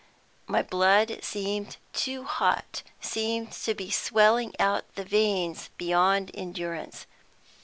My blood seemed too hot, seemed to be swelling out the veins beyond endurance.